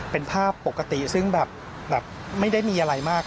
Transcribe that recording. เป็นภาพปกติซึ่งแบบไม่ได้มีอะไรมาก